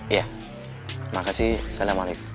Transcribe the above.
iya makasih assalamualaikum